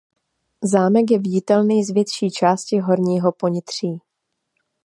Zámek je viditelný z větší části horního Ponitří.